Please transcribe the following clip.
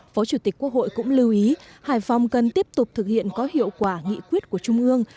phó chủ tịch quốc hội cũng lưu ý hải phòng cần tiếp tục thực hiện có hiệu quả nghị quyết của trung ương